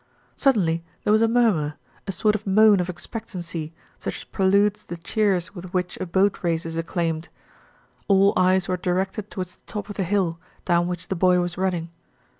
Suddenly there was a murmur, a sort of moan of expectancy, such as preludes the cheers with which a Boat Race is acclaimed. All eyes were directed towards the top of the hill, down which the boy was running.